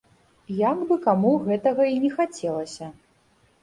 Як бы каму гэтага і не хацелася.